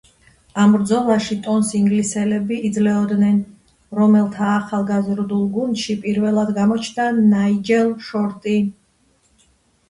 ამ ბრძოლაში ტონს ინგლისელები იძლეოდნენ, რომელთა ახალგაზრდულ გუნდში პირველად გამოჩნდა ნაიჯელ შორტი.